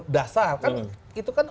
dasar kan itu kan